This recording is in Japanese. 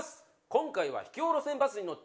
今回は秘境路線バスに乗って。